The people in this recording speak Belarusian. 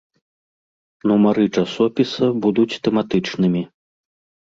Нумары часопіса будуць тэматычнымі.